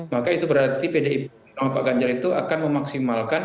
maka itu berarti pdip sama pak ganjar itu akan memaksimalkan